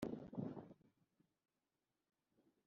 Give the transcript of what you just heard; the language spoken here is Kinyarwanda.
mwarunamye arabayagira.